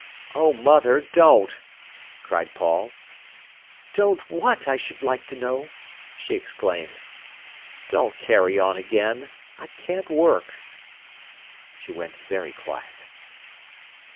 "Oh, mother, don't!" cried Paul. "Don't what, I should like to know?" she exclaimed. "Don't carry on again. I can't work." She went very quiet.